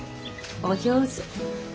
お上手。